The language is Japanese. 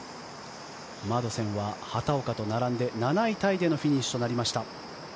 マドセンは畑岡と並んで７位タイでのフィニッシュとなりました。